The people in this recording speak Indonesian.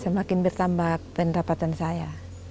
semakin bertambah pendapatan saya